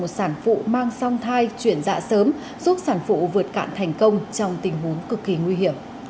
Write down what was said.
sản phụ mang song thai chuyển dạ sớm giúp sản phụ vượt cạn thành công trong tình huống cực kỳ nguy hiểm